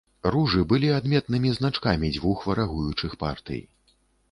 Ружы былі адметнымі значкамі дзвюх варагуючых партый.